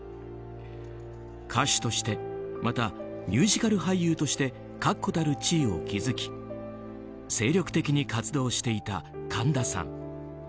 歌手としてまた、ミュージカル俳優として確固たる地位を築き精力的に活動していた神田さん。